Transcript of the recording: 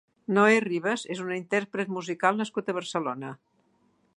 Noè Rivas és un intérpret musical nascut a Barcelona.